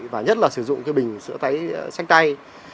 và nhất là sử dụng bình sữa cháy sách tay